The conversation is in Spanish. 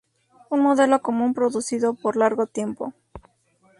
Un modelo común producido por largo tiempo.